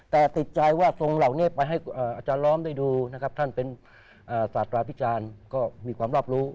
แต่ติดใจว่าทรงเหล่านี้ไปให้อาจารย์ล้อมได้ดูนะครับท่านเป็นศาสตราพิจารณ์ก็มีความรอบรู้